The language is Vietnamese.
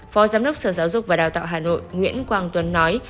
phó giám đốc sở giáo dục và đào tạo hà nội nguyễn quang tuấn nói